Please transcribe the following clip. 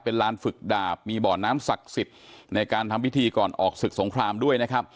เป็นลานฝึกดาบมีบ่อน้ำศักดิ์สิทธิ์ในการทำพิธีก่อนออกศึกสงครามด้วยนะครับ